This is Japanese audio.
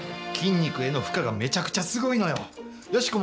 筋肉への負荷がめちゃくちゃすごいのよ。